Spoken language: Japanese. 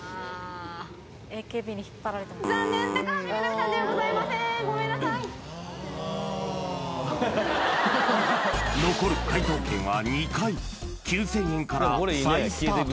残念高橋みなみさんではございませんごめんなさい９０００円から再スタート